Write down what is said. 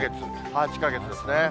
８か月ですね。